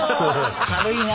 軽いな。